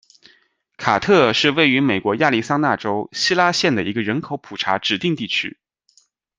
卡特是位于美国亚利桑那州希拉县的一个人口普查指定地区。